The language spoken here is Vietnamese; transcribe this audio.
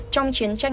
trong chiến trận